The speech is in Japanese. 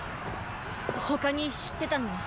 他に知ってたのは？